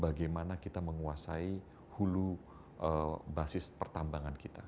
bagaimana kita menguasai hulu basis pertambangan kita